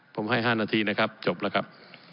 ผมให้๕นาทีนะครับจบแล้วครับ